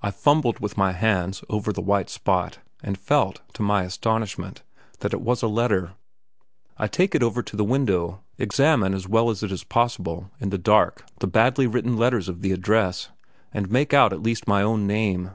I fumbled with my hands over the white spot, and felt, to my astonishment, that it was a letter. I take it over to the window, examine as well as it is possible in the dark the badly written letters of the address, and make out at least my own name.